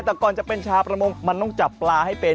แต่ก่อนจะเป็นชาวประมงมันต้องจับปลาให้เป็น